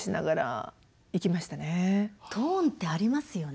トーンってありますよね。